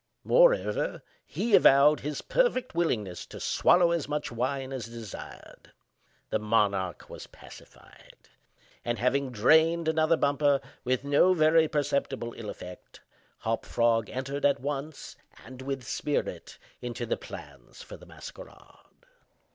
Moreover, he avowed his perfect willingness to swallow as much wine as desired. The monarch was pacified; and having drained another bumper with no very perceptible ill effect, Hop Frog entered at once, and with spirit, into the plans for the masquerade.